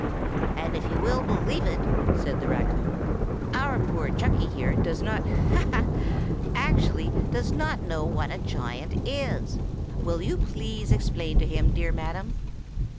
"And if you will believe it," said the raccoon, "our poor Chucky here does not—ha! ha!—actually does not know what a giant is! Will you kindly explain to him, dear madam?"